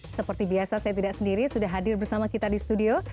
seperti biasa saya tidak sendiri sudah hadir bersama kita di studio